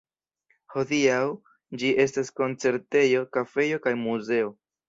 Hodiaŭ ĝi estas koncertejo, kafejo kaj muzeo.